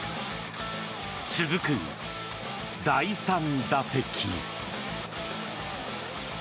続く第３打席。